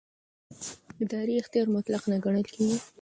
اداري اختیار مطلق نه ګڼل کېږي.